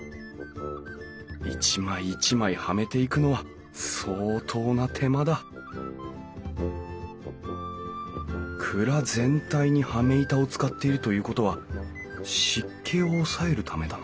一枚一枚はめていくのは相当な手間だ蔵全体に羽目板を使っているということは湿気を抑えるためだ